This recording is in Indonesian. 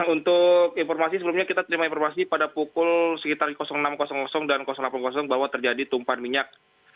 untuk informasi sebelumnya kita terima informasi pada pukul sekitar enam dan delapan bahwa terjadi tumpahan minyak